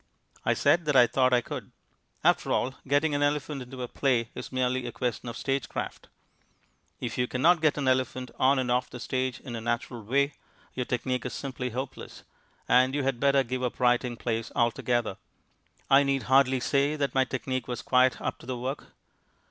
I said that I thought I could. After all, getting an elephant into a play is merely a question of stagecraft. If you cannot get an elephant on and off the stage in a natural way, your technique is simply hopeless, and you had better give up writing plays altogether. I need hardly say that my technique was quite up to the work.